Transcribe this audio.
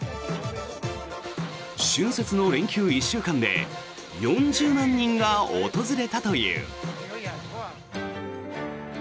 春節の連休１週間で４０万人が訪れたという。